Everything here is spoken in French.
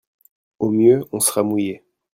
Au mieux on sera mouillé.